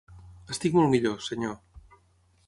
Estic molt millor, senyor.